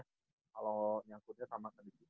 kalau nyangkutnya sama ke disiplinan